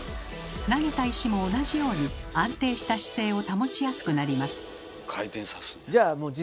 投げた石も同じように安定した姿勢を保ちやすくなります。